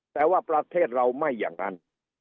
แต่ว่าประเทศเราไม่อย่างนั้น